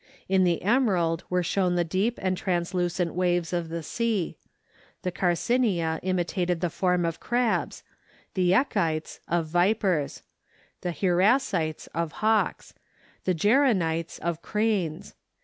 In the emerald were shown the deep and translucent waves of the sea; the carcinia imitated the form of crabs; the echites, of vipers; the hieracites, of hawks; the geranites, of cranes.